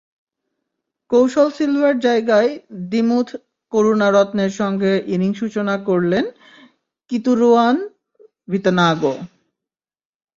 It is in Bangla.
কৌশল সিলভার জায়গায় দিমুথ করুনারত্নের সঙ্গে ইনিংস সূচনা করলেন কিতুরুয়ান ভিতানাগে।